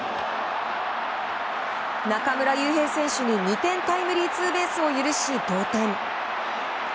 中村悠平選手に２点タイムリーツーベースを許し同点。